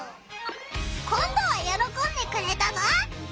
今どはよろこんでくれたぞ！